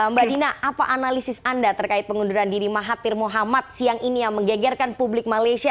mbak dina apa analisis anda terkait pengunduran diri mahathir mohamad siang ini yang menggegerkan publik malaysia